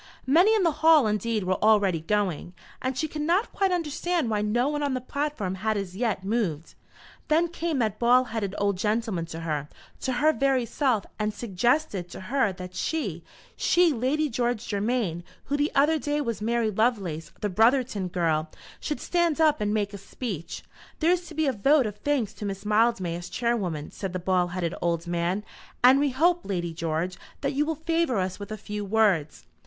Many in the hall, indeed, were already going, and she could not quite understand why no one on the platform had as yet moved. Then came that bald headed old gentleman to her, to her very self, and suggested to her that she, she, Lady George Germain, who the other day was Mary Lovelace, the Brotherton girl, should stand up and make a speech! "There is to be a vote of thanks to Miss Mildmay as Chairwoman," said the bald headed old man, "and we hope, Lady George, that you will favour us with a few words."